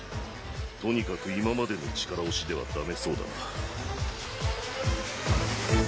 とにかく今までの力押しではダメそうだな。